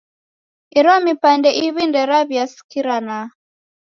Iro mipande iw'i nderaw'iasikirana.